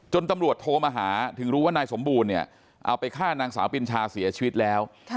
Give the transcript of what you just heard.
ตำรวจโทรมาหาถึงรู้ว่านายสมบูรณ์เนี่ยเอาไปฆ่านางสาวปิญชาเสียชีวิตแล้ว